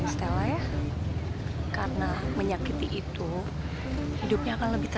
buat kamu sahur sahur